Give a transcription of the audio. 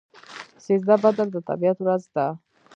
سیزده بدر د طبیعت ورځ ده.